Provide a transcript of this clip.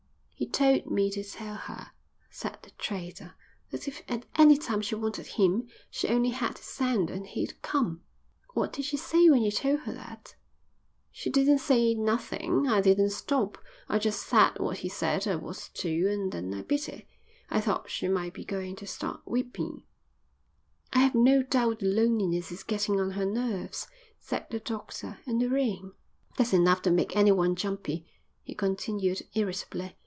"He told me to tell her," said the trader, "that if at any time she wanted him she only had to send and he'd come." "What did she say when you told her that?" "She didn't say nothing. I didn't stop. I just said what he said I was to and then I beat it. I thought she might be going to start weepin'." "I have no doubt the loneliness is getting on her nerves," said the doctor. "And the rain that's enough to make anyone jumpy," he continued irritably.